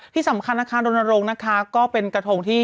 ตรงนะคะก็เป็นกระทงที่